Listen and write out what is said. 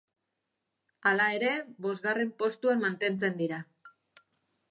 Hala ere, bosgarren postuan mantentzen dira.